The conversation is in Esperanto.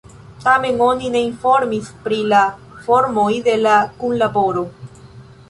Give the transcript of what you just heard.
Tamen oni ne informis pri la formoj de la kunlaboro.